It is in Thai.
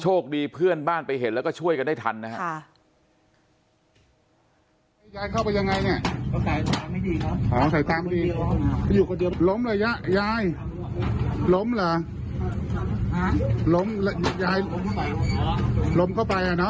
โชคดีเพื่อนบ้านไปเห็นก็ช่วยกันได้ทันนะฮะค่ะ